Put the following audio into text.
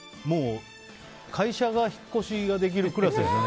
会社が引っ越しできるクラスですよね。